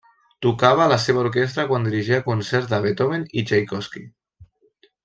Tocava a la seva orquestra quan dirigia concerts de Beethoven i Txaikovski.